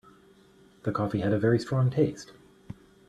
The coffee had a very strong taste.